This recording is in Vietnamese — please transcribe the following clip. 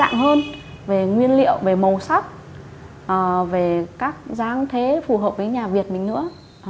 đa dạng hơn về nguyên liệu về màu sắc về các dáng thế phù hợp với nhà việt mình nữa